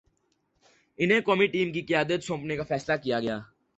انہیں قومی ٹیم کی قیادت سونپنے کا فیصلہ کیا گیا۔